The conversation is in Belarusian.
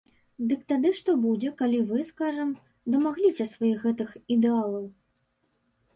Дык тады што будзе, калі вы, скажам, дамагліся сваіх гэтых ідэалаў?